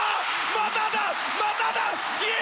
まただ、まただ！